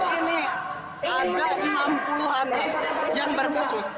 ini ada enam puluh an yang berkhusus